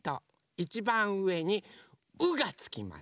いちばんうえに「う」がつきます。